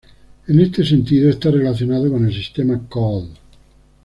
En este sentido está relacionado con el sistema Colle.